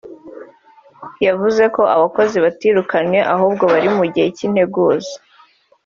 yavuze ko abakozi batirukanwe ahubwo bari mu gihe cy’integuza